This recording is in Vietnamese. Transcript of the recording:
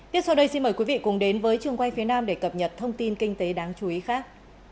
tiếp sau đây xin mời quý vị cùng đến với trường quay phía nam để cập nhật thông tin kinh tế đáng chú ý khác